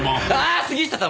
杉下さん